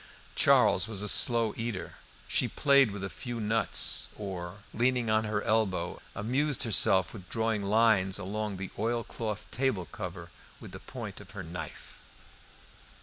Charles was a slow eater; she played with a few nuts, or, leaning on her elbow, amused herself with drawing lines along the oilcloth table cover with the point of her knife.